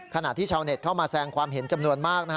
ขณะที่ชาวเน็ตเข้ามาแสงความเห็นจำนวนมาก